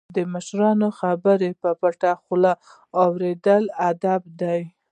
د مشرانو خبرې په پټه خوله اوریدل ادب دی.